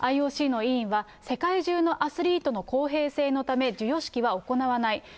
ＩＯＣの委員は、世界中のアスリートの公平性のため、授与式は行わない。